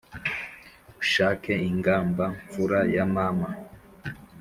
Ushake ingamba mfura ya Mama